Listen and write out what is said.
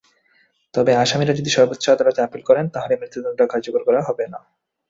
তবে আসামিরা যদি সর্বোচ্চ আদালতে আপিল করেন, তাহলে মৃত্যুদণ্ড কার্যকর করা হবে না।